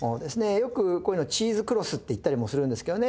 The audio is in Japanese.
よくこういうのチーズクロスって言ったりもするんですけどね